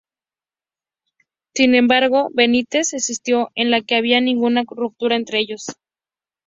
Sin embargo, Benítez insistió en que no había ninguna ruptura entre ellos.